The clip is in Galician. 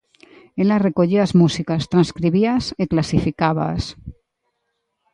Ela recollía as músicas, transcribíaas e clasificábaas.